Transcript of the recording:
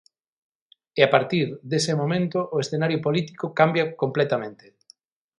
E a partir dese momento, o escenario político cambia completamente.